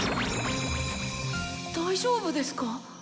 大丈夫ですか？